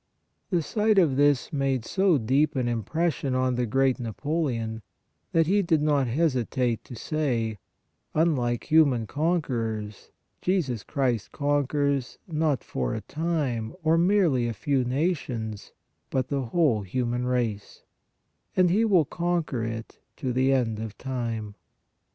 The sight of this made so deep an impression on the great Napoleon, that he did not hesitate to say :" Unlike human conquerors, Jesus Christ conquers, not for a time or merely a few nations, but the whole human race, and He will conquer it to the end of time.